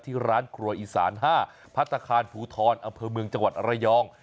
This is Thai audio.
ที่ร้านครัวอีสาน๕พัฒนาคารภูทรอำเภอเมืองจังหวัดระยอง